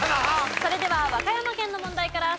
それでは和歌山県の問題から再開です。